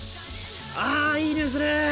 ああいいですね！